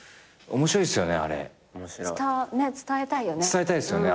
伝えたいっすよね